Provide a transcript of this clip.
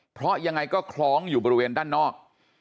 เพราะยังไงก็คล้องอยู่บริเวณด้านนอก